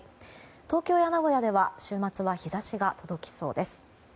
東京や名古屋では週末は日差しが届きそうです。